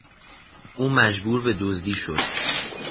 او مجبور به دزدی شد.